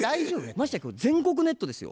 ましてやこれ全国ネットですよ。